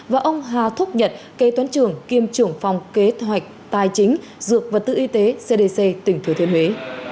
và ông hà thúc nhật kế toán trưởng kiêm trưởng phòng kế hoạch tài chính dược và tự y tế cdc tỉnh thừa thiên huế